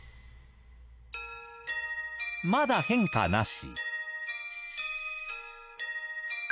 まだ変化なし。